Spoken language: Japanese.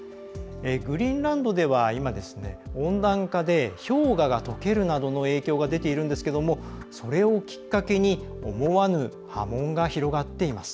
グリーンランドでは、今温暖化で、氷河がとけるなどの影響が出ているんですがそれをきっかけに思わぬ波紋が広がっています。